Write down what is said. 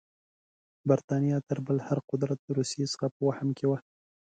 برټانیه تر بل هر قدرت د روسیې څخه په وهم کې وه.